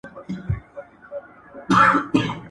چي ئې زده د کميس غاړه، هغه ئې خوري په لکه غاړه.